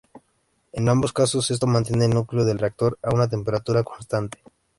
En ambos casos, esto mantiene el núcleo del reactor a una temperatura constante.